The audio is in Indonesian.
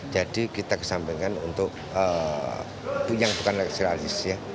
jadi kita kesampaikan untuk yang bukan lekspesialis ya